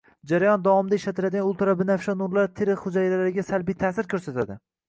Jarayon davomida ishlatiladigan ultrabinafsha nurlar teri hujayralariga salbiy ta’sir ko‘rsatadi